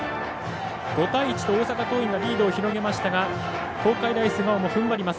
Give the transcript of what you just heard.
５対１と大阪桐蔭がリードを広げましたが東海大菅生もふんばります。